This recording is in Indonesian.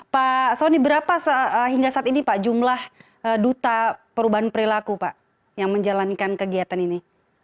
pak sony berapa hingga saat ini jumlah duta perubahan perilaku yang menjalankan kegiatan ini